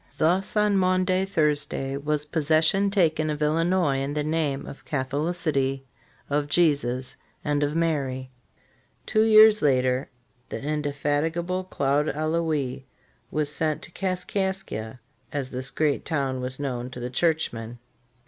Thus on Maundy Thursday was possession taken of Illinois in the name of Catholicity of Jesus and of Mary."* * Two years later the indefatiga f f /7j[/0V / J^T C&&t{ &/}~ ble Claude Allouez was sent to ^* \_2 Kaskaskia, as this great town was known to the churchmen.